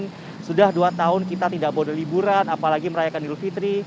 dan sudah dua tahun kita tidak bawa liburan apalagi merayakan idul fitri